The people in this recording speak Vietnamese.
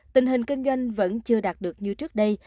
tình hình kinh doanh vẫn chưa đạt được như trước đây